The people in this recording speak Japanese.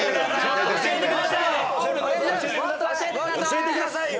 教えてくださいよ。